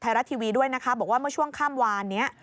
รัฐทีวีด้วยนะคะบอกว่าเมื่อช่วงข้ามวานนี้